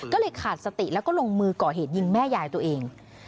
ก็เลยขาดสติแล้วก็ลงมือก่อเหตุยิงแม่ยายตัวเอง